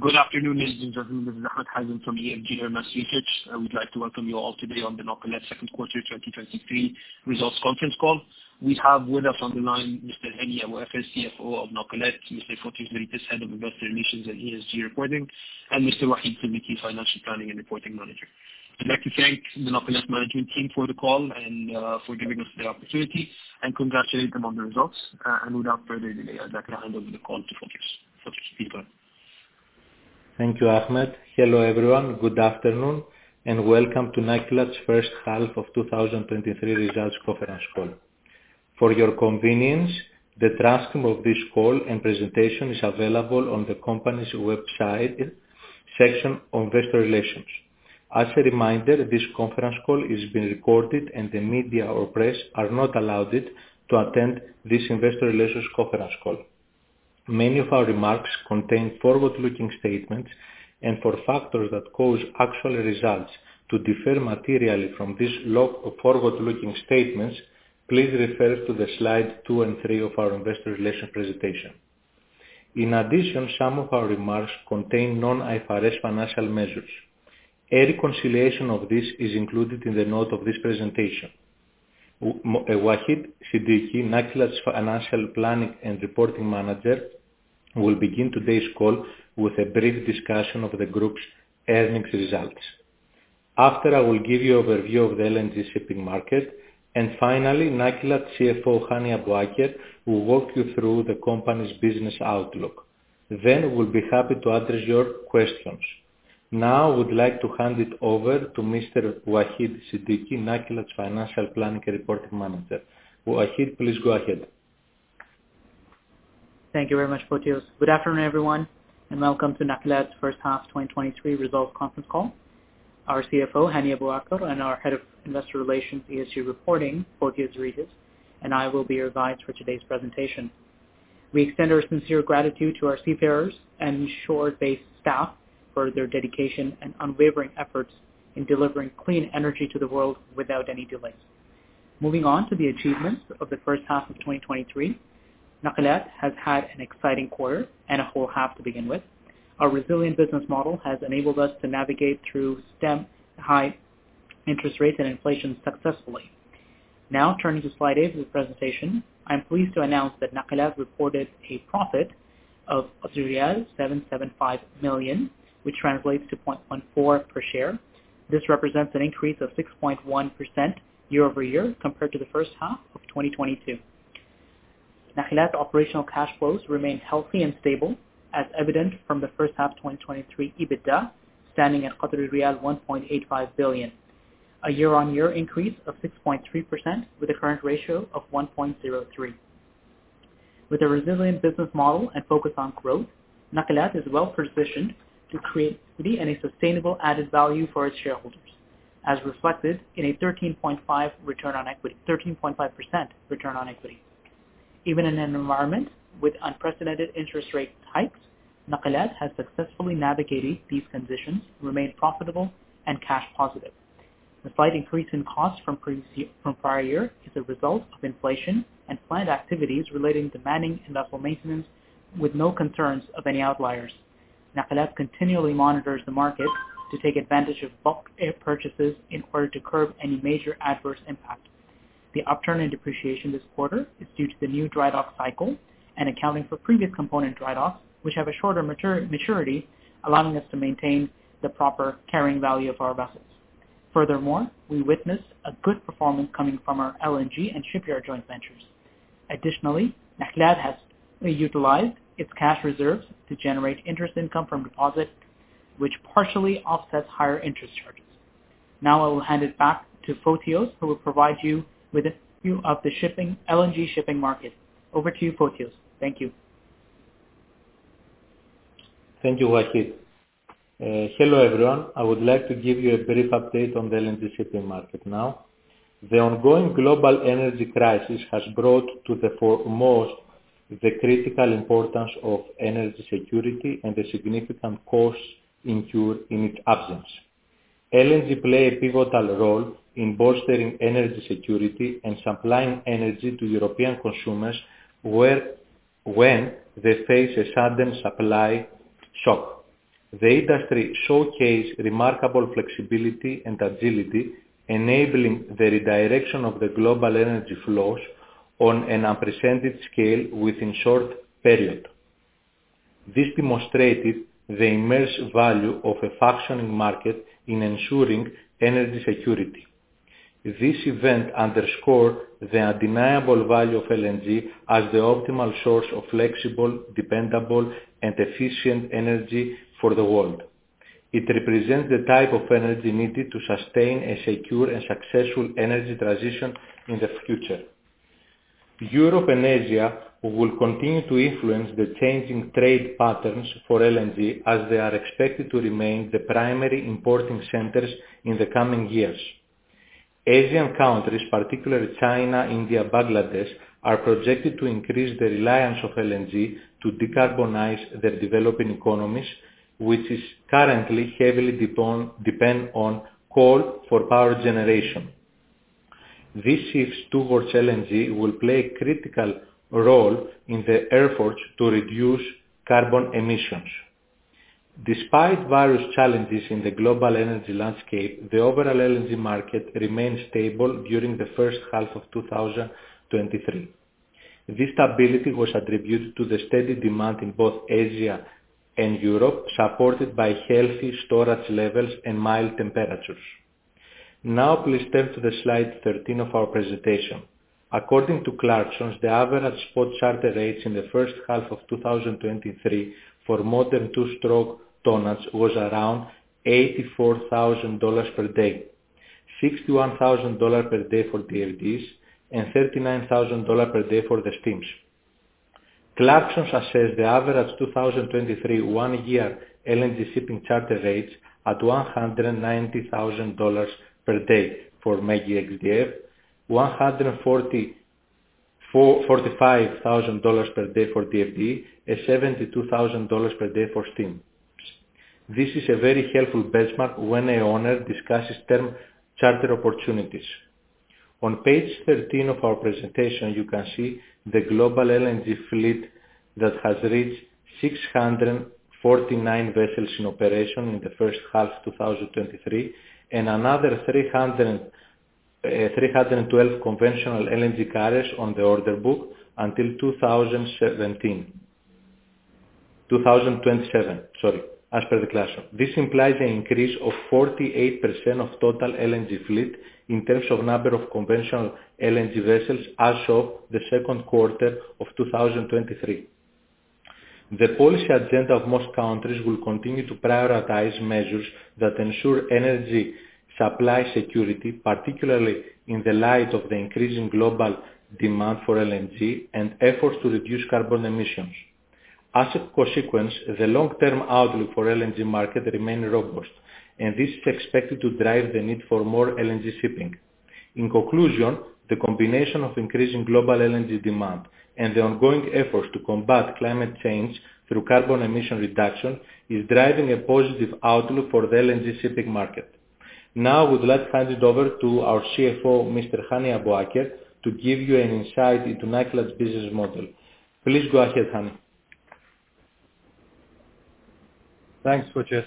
Good afternoon, ladies and gentlemen. This is Ahmed Hazem from EFG Hermes Research. I would like to welcome you all today on the Nakilat second quarter 2023 results conference call. We have with us on the line Mr. Hani Abouaker, CFO of Nakilat, Mr. Fotios Rigas, Head of Investor Relations and ESG Reporting, and Mr. Wahid Siddiqui, Financial Planning and Reporting Manager. I'd like to thank the Nakilat management team for the call and for giving us the opportunity and congratulate them on the results. Without further delay, I'd like to hand over the call to Fotios. Fotios, speak now. Thank you, Ahmed. Hello, everyone. Good afternoon, and welcome to Nakilat's first half of 2023 results conference call. For your convenience, the transcript of this call and presentation is available on the company's website section on investor relations. As a reminder, this conference call is being recorded, and the media or press are not allowed to attend this investor relations conference call. Many of our remarks contain forward-looking statements and for factors that cause actual results to differ materially from these forward-looking statements, please refer to slide two and three of our investor relations presentation. In addition, some of our remarks contain non-IFRS financial measures. A reconciliation of this is included in the note of this presentation. Waheed Siddiqi, Nakilat's Financial Planning and Reporting Manager, will begin today's call with a brief discussion of the group's earnings results. After, I will give you overview of the LNG shipping market. Finally, Nakilat CFO, Hani Abuaker, will walk you through the company's business outlook. We'll be happy to address your questions. I would like to hand it over to Mr. Waheed Siddiqi, Nakilat's Financial Planning and Reporting Manager. Wahid, please go ahead. Thank you very much, Fotios. Good afternoon, everyone, and welcome to Nakilat's first half 2023 results conference call. Our CFO, Hani Abuaker, and our Head of Investor Relations, ESG Reporting, Fotios Zeritis, and I will be your guides for today's presentation. We extend our sincere gratitude to our seafarers and shore-based staff for their dedication and unwavering efforts in delivering clean energy to the world without any delays. Moving on to the achievements of the first half of 2023, Nakilat has had an exciting quarter and a whole half to begin with. Our resilient business model has enabled us to navigate through STEM, high interest rates and inflation successfully. Turning to slide eight of the presentation, I am pleased to announce that Nakilat reported a profit of riyal 775 million, which translates to 0.14 per share. This represents an increase of 6.1% year-over-year compared to the first half of 2022. Nakilat operational cash flows remain healthy and stable, as evident from the first half 2023 EBITDA, standing at Qatari riyal 1.85 billion, a year-on-year increase of 6.3% with a current ratio of 1.03. With a resilient business model and focus on growth, Nakilat is well-positioned to create and a sustainable added value for its shareholders, as reflected in a 13.5% return on equity, 13.5% return on equity. Even in an environment with unprecedented interest rate hikes, Nakilat has successfully navigated these conditions, remained profitable, and cash positive. The slight increase in cost from prior year is a result of inflation and planned activities relating to manning and vessel maintenance with no concerns of any outliers. Nakilat continually monitors the market to take advantage of bulk spare purchases in order to curb any major adverse impact. The upturn in depreciation this quarter is due to the new dry dock cycle and accounting for previous component dry docks, which have a shorter maturity, allowing us to maintain the proper carrying value of our vessels. Furthermore, we witness a good performance coming from our LNG and shipyard joint ventures. Additionally, Nakilat has utilized its cash reserves to generate interest income from deposits, which partially offsets higher interest charges. Now I will hand it back to Fotios, who will provide you with a view of the LNG shipping market. Over to you, Fotios. Thank you. Thank you, Waheed. Hello, everyone. I would like to give you a brief update on the LNG shipping market now. The ongoing global energy crisis has brought to the foremost the critical importance of energy security and the significant costs incurred in its absence. LNG play a pivotal role in bolstering energy security and supplying energy to European consumers when they face a sudden supply shock. The industry showcased remarkable flexibility and agility, enabling the redirection of the global energy flows on an unprecedented scale within short period. This demonstrated the immense value of a functioning market in ensuring energy security. This event underscore the undeniable value of LNG as the optimal source of flexible, dependable, and efficient energy for the world. It represents the type of energy needed to sustain a secure and successful energy transition in the future. Europe and Asia will continue to influence the changing trade patterns for LNG as they are expected to remain the primary importing centers in the coming years. Asian countries, particularly China, India, Bangladesh, are projected to increase the reliance of LNG to decarbonize their developing economies, which is currently heavily depend on coal for power generation. This shift towards LNG will play a critical role in the efforts to reduce carbon emissions. Despite various challenges in the global energy landscape, the overall LNG market remained stable during the first half of 2023. This stability was attributed to the steady demand in both Asia and Europe, supported by healthy storage levels and mild temperatures. Now please turn to the slide 13 of our presentation. According to Clarksons, the average spot charter rates in the first half of 2023 for modern two-stroke tonnage was around $84,000 per day, $61,000 per day for TFDEs, and $39,000 per day for the steams. Clarksons assess the average 2023 one-year LNG shipping charter rates at $190,000 per day for MEGI/XDF, $145,000 per day for TFDE, and $72,000 per day for steam. This is a very helpful benchmark when an owner discusses term charter opportunities. On page 13 of our presentation, you can see the global LNG fleet that has reached 649 vessels in operation in the first half 2023, and another 312 conventional LNG carriers on the order book until 2027, sorry, as per the Clarksons. This implies an increase of 48% of total LNG fleet in terms of number of conventional LNG vessels as of the second quarter of 2023. The policy agenda of most countries will continue to prioritize measures that ensure energy supply security, particularly in the light of the increasing global demand for LNG and efforts to reduce carbon emissions. As a consequence, the long-term outlook for LNG market remain robust, and this is expected to drive the need for more LNG shipping. In conclusion, the combination of increasing global LNG demand and the ongoing efforts to combat climate change through carbon emission reduction is driving a positive outlook for the LNG shipping market. Now, we'd like to hand it over to our CFO, Mr. Hani Abuaker, to give you an insight into Nakilat business model. Please go ahead, Hani. Thanks, Wachis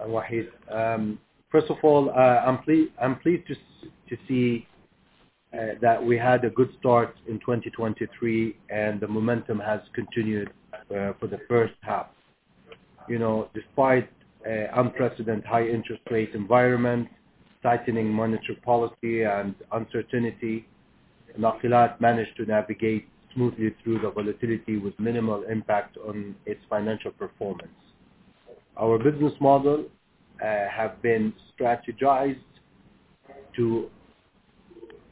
and Waheed. First of all, I'm pleased to see that we had a good start in 2023 and the momentum has continued for the first half. Despite unprecedented high interest rate environment, tightening monetary policy, and uncertainty, Nakilat managed to navigate smoothly through the volatility with minimal impact on its financial performance. Our business model have been strategized to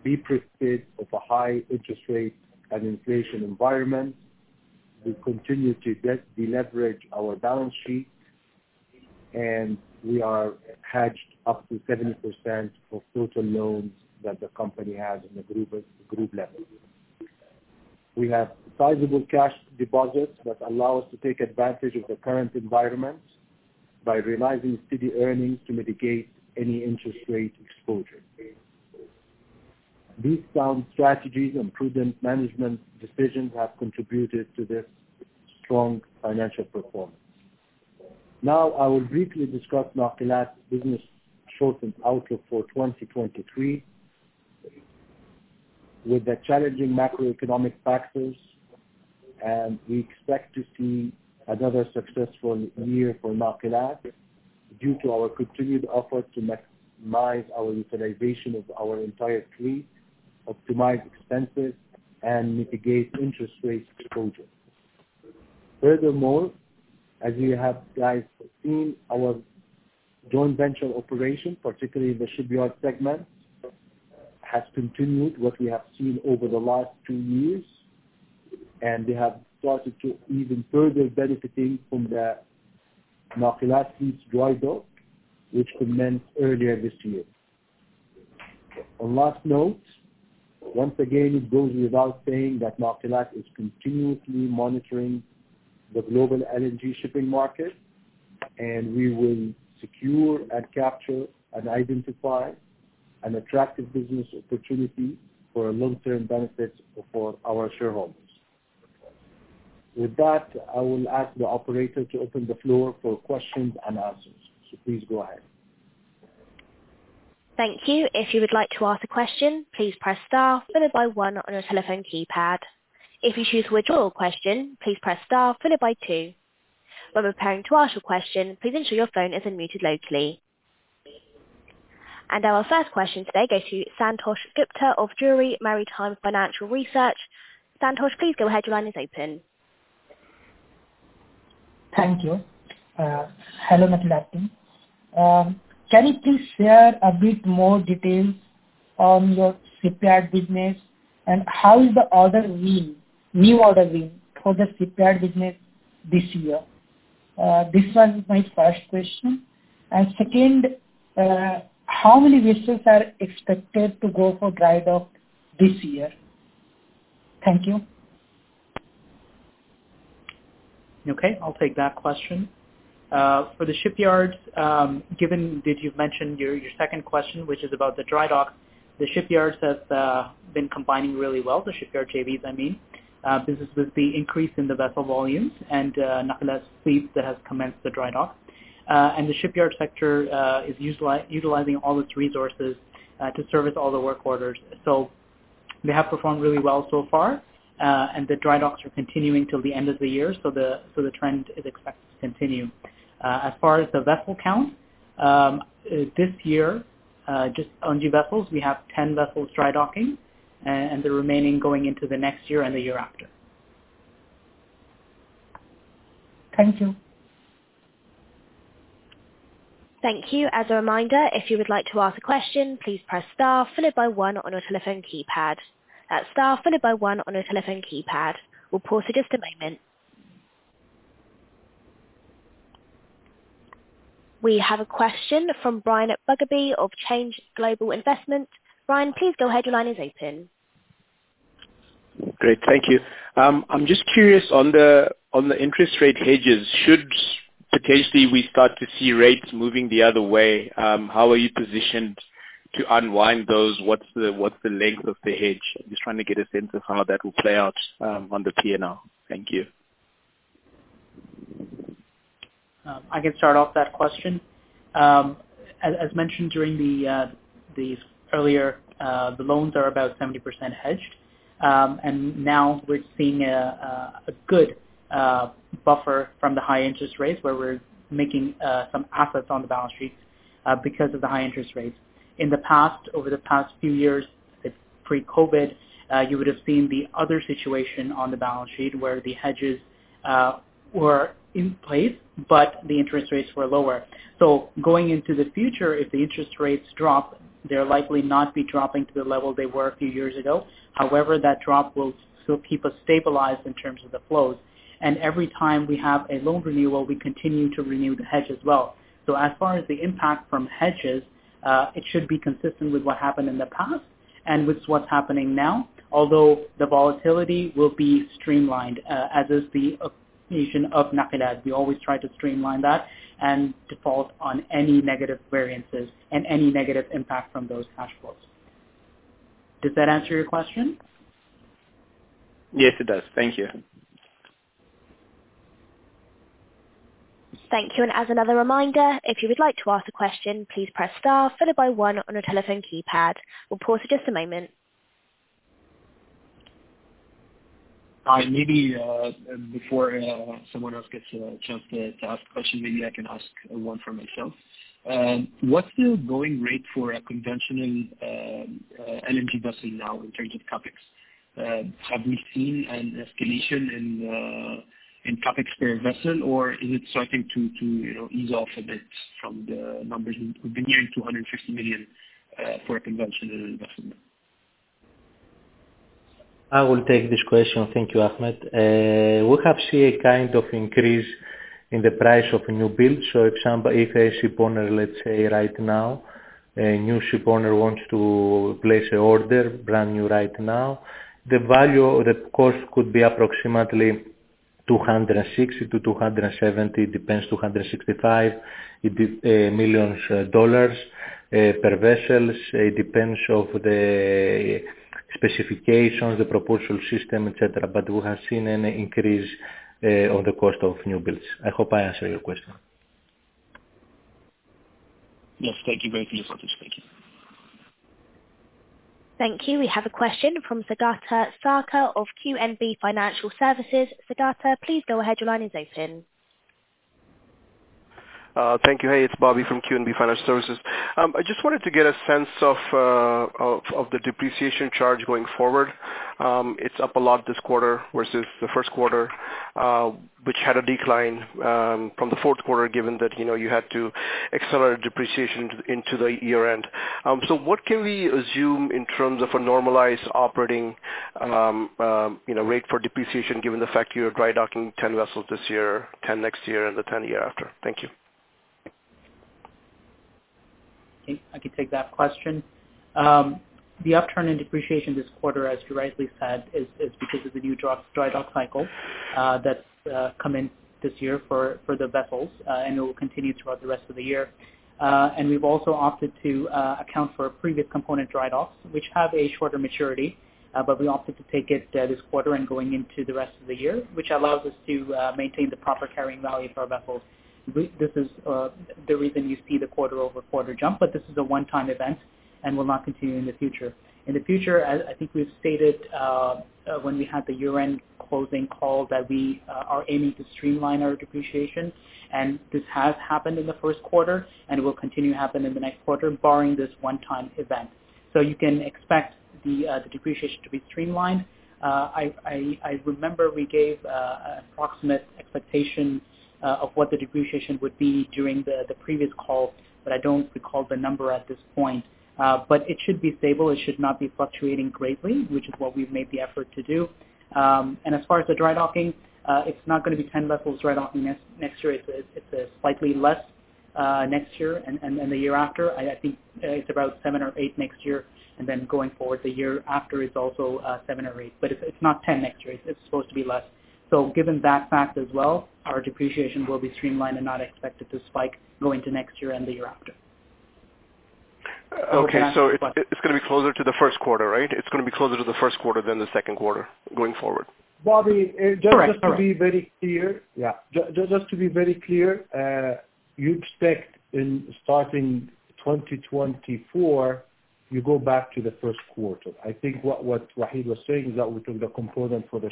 be prepared of a high interest rate and inflation environment. We continue to deleverage our balance sheet, and we are hedged up to 70% of total loans that the company has in the group level. We have sizable cash deposits that allow us to take advantage of the current environment by realizing steady earnings to mitigate any interest rate exposure. These sound strategies and prudent management decisions have contributed to the strong financial performance. Now, I will briefly discuss Nakilat business short-term outlook for 2023. With the challenging macroeconomic factors, we expect to see another successful year for Nakilat due to our continued efforts to maximize our utilization of our entire fleet, optimize expenses, and mitigate interest rate exposure. Furthermore, as you have guys seen, our joint venture operation, particularly the shipyard segment, has continued what we have seen over the last two years, and they have started to even further benefiting from the Nakilat's dry dock, which commenced earlier this year. On last note, once again, it goes without saying that Nakilat is continuously monitoring the global LNG shipping market, and we will secure and capture and identify an attractive business opportunity for a long-term benefit for our shareholders. With that, I will ask the operator to open the floor for questions and answers. Please go ahead. Thank you. If you would like to ask a question, please press star followed by one on your telephone keypad. If you choose to withdraw your question, please press star followed by two. When preparing to ask your question, please ensure your phone isn't muted locally. Our first question today goes to Santosh Gupta of Drewry Maritime Financial Research. Santosh, please go ahead. Your line is open. Thank you. Hello, Nakilat team. Can you please share a bit more details on your shipyard business and how is the order win, new order win for the shipyard business this year? This one is my first question. Second, how many vessels are expected to go for dry dock this year? Thank you. Okay, I'll take that question. For the shipyards, given that you've mentioned your second question, which is about the dry dock, the shipyards have been combining really well, the shipyard JVs, I mean. This is with the increase in the vessel volumes and Nakilat's fleet that has commenced the dry dock. The shipyard sector is utilizing all its resources to service all the work orders. They have performed really well so far, and the dry docks are continuing till the end of the year, so the trend is expected to continue. As far as the vessel count, this year, just on new vessels, we have 10 vessels dry docking and the remaining going into the next year and the year after. Thank you. Thank you. As a reminder, if you would like to ask a question, please press star followed by one on your telephone keypad. That's star followed by one on your telephone keypad. We'll pause for just a moment. We have a question from Brian Mugabe of Change Global Investment. Brian, please go ahead. Your line is open. Great. Thank you. I'm just curious on the interest rate hedges, should potentially we start to see rates moving the other way, how are you positioned to unwind those? What's the length of the hedge? Just trying to get a sense of how that will play out on the P&L. Thank you. I can start off that question. As mentioned during the earlier, the loans are about 70% hedged. Now we're seeing a good buffer from the high interest rates, where we're making some offsets on the balance sheet because of the high interest rates. In the past, over the past few years, pre-COVID, you would have seen the other situation on the balance sheet where the hedges were in place, but the interest rates were lower. Going into the future, if the interest rates drop, they're likely not be dropping to the level they were a few years ago. However, that drop will still keep us stabilized in terms of the flows. Every time we have a loan renewal, we continue to renew the hedge as well. As far as the impact from hedges, it should be consistent with what happened in the past and with what's happening now. Although the volatility will be streamlined, as is the occasion of Nakilat. We always try to streamline that and default on any negative variances and any negative impact from those cash flows. Does that answer your question? Yes, it does. Thank you. Thank you. As another reminder, if you would like to ask a question, please press star followed by one on your telephone keypad. We'll pause for just a moment. Hi, maybe, before someone else gets a chance to ask a question, maybe I can ask one for myself. What's the going rate for a conventional LNG vessel now in terms of CapEx? Have we seen an escalation in CapEx per vessel, or is it starting to ease off a bit from the numbers? We've been hearing $260 million for a conventional investment. I will take this question. Thank you, Ahmed. We have seen a kind of increase in the price of a newbuild. Example, if a ship owner, let's say right now, a new ship owner wants to place a order, brand new right now, the value or the cost could be approximately $260-$270, depends, $265 million per vessels. It depends of the specifications, the propulsion system, et cetera. We have seen an increase on the cost of newbuilds. I hope I answered your question. Yes. Thank you very much. Thank you. Thank you. We have a question from Saugata Sarkar of QNB Financial Services. Saugata, please go ahead. Your line is open. Thank you. Hey, it's Bobby from QNB Financial Services. I just wanted to get a sense of the depreciation charge going forward. It's up a lot this quarter versus the first quarter, which had a decline from the fourth quarter, given that you had to accelerate depreciation into the year-end. What can we assume in terms of a normalized operating rate for depreciation, given the fact you're dry docking 10 vessels this year, 10 next year, and the 10 the year after? Thank you. I can take that question. The upturn in depreciation this quarter, as you rightly said, is because of the new dry dock cycle that's come in this year for the vessels, and it will continue throughout the rest of the year. We've also opted to account for a previous component dry dock, which have a shorter maturity, but we opted to take it this quarter and going into the rest of the year, which allows us to maintain the proper carrying value for our vessels. This is the reason you see the quarter-over-quarter jump, but this is a one-time event and will not continue in the future. In the future, as I think we've stated when we had the year-end closing call, that we are aiming to streamline our depreciation, and this has happened in the first quarter and will continue to happen in the next quarter barring this one-time event. You can expect the depreciation to be streamlined. I remember we gave an approximate expectation of what the depreciation would be during the previous call, but I don't recall the number at this point. It should be stable. It should not be fluctuating greatly, which is what we've made the effort to do. As far as the dry docking, it's not going to be 10 vessels dry docking next year. It's slightly less next year and the year after, I think it's about seven or eight next year, and then going forward, the year after is also seven or eight. It's not 10 next year. It's supposed to be less. Given that fact as well, our depreciation will be streamlined and not expected to spike going to next year and the year after. Okay. It's going to be closer to the first quarter, right? It's going to be closer to the first quarter than the second quarter going forward. Bobby- Correct. Just to be very clear. Yeah. Just to be very clear, you expect in starting 2024, you go back to the first quarter. I think what Waheed was saying is that we took the component for the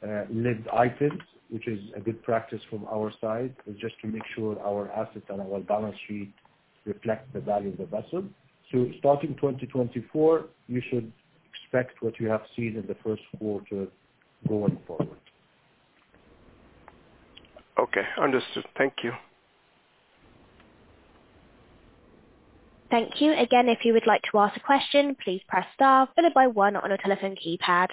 short-lived items, which is a good practice from our side, just to make sure our assets and our balance sheet reflect the value of the vessel. Starting 2024, you should expect what you have seen in the first quarter going forward. Okay, understood. Thank you. Thank you. Again, if you would like to ask a question, please press star followed by one on your telephone keypad.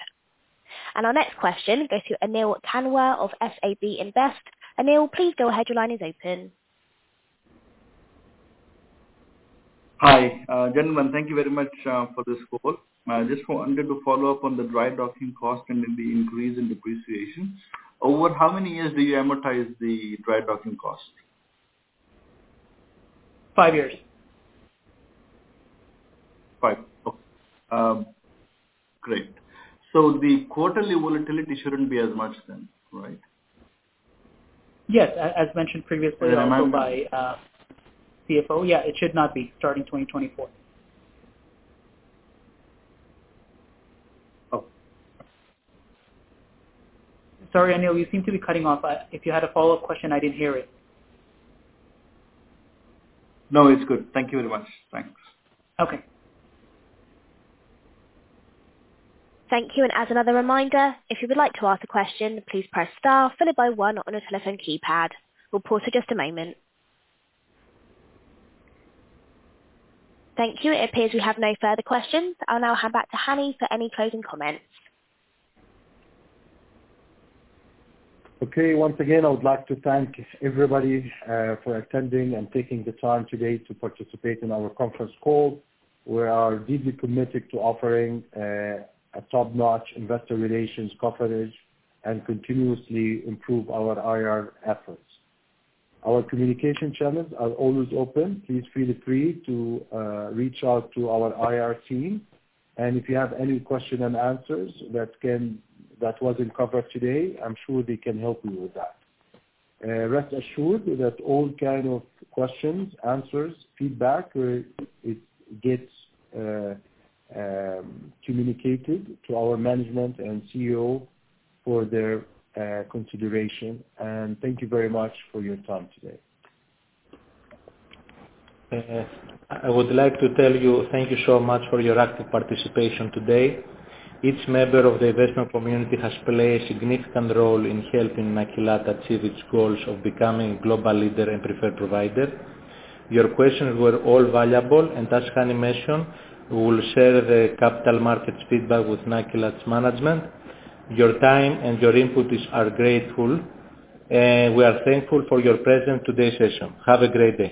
Our next question goes to Anil Tanwar of SAB Invest. Anil, please go ahead. Your line is open. Hi, gentlemen. Thank you very much for this call. Just wanted to follow up on the dry docking cost and the increase in depreciation. Over how many years do you amortize the dry docking cost? Five years. Five. Okay. Great. The quarterly volatility shouldn't be as much then, right? Yes. As mentioned previously also by CFO, yeah, it should not be, starting 2024. Oh. Sorry, Anil, you seem to be cutting off. If you had a follow-up question, I didn't hear it. No, it's good. Thank you very much. Thanks. Okay. Thank you. As another reminder, if you would like to ask a question, please press star followed by one on your telephone keypad. We will pause for just a moment. Thank you. It appears we have no further questions. I will now hand back to Hani for any closing comments. Okay. Once again, I would like to thank everybody for attending and taking the time today to participate in our conference call. We are deeply committed to offering a top-notch investor relations coverage and continuously improve our IR efforts. Our communication channels are always open. Please feel free to reach out to our IR team. If you have any question and answers that wasn't covered today, I'm sure they can help you with that. Rest assured that all kind of questions, answers, feedback, it gets communicated to our management and CEO for their consideration. Thank you very much for your time today. I would like to tell you thank you so much for your active participation today. Each member of the investment community has played a significant role in helping Nakilat achieve its goals of becoming a global leader and preferred provider. Your questions were all valuable, as Hani mentioned, we will share the capital markets feedback with Nakilat's management. Your time and your input are grateful, we are thankful for your presence today's session. Have a great day